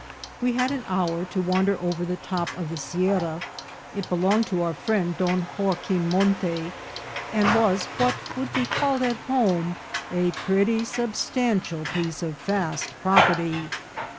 We had an hour to wander over the top of the sierra. It belonged to our friend Don Joaquim Monte, and was what would be called at home a pretty substantial piece of fast property.